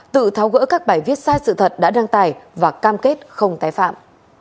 tự tháo gỡ các bài viết sai sự thật đã đăng tải và cam kết không tái phạm